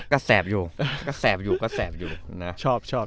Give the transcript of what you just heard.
ก็แสบอยู่ชอบชอบ